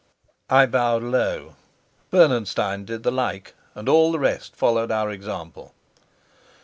I bowed low, Bernenstein did the like, and all the rest followed our example.